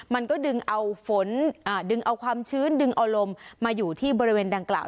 มันก็ดึงเอาฝนดึงเอาความชื้นดึงเอาลมมาอยู่ที่บริเวณดังกล่าว